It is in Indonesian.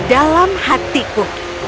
di dalam hatiku